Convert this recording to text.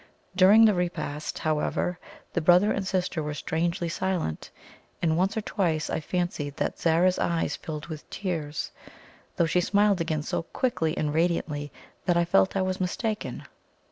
During the repast, however, the brother and sister were strangely silent, and once or twice I fancied that Zara's eyes filled with tears, though she smiled again so quickly and radiantly that I felt I was mistaken.